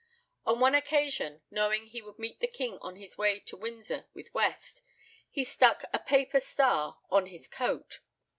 On one occasion, knowing he would meet the king on his way to Windsor with West, he stuck a paper star on his coat.